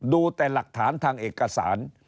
ดูแต่หลักฐานทางเอกสาร